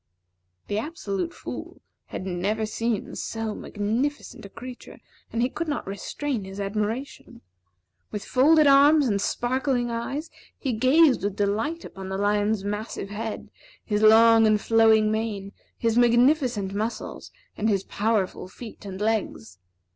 The Absolute Fool had never seen so magnificent a creature, and he could not restrain his admiration. With folded arms and sparkling eyes, he gazed with delight upon the lion's massive head, his long and flowing mane, his magnificent muscles, and his powerful feet and legs.